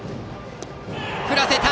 振らせた！